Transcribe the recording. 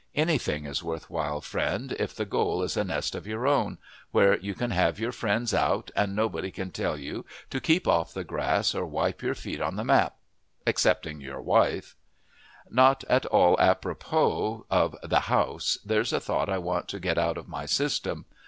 Anything is worth while, friend, if the goal is a nest of your own, where you can have your friends out and nobody can tell you to keep off the grass or wipe your feet on the mat excepting your wife! Not at all apropo of The House, there's a thought I want to get out of my system.